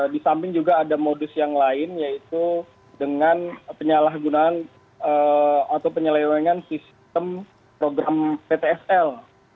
di samping juga ada modus yang lain yaitu dengan penyalahgunaan atau penyelewengan sistem program ptsl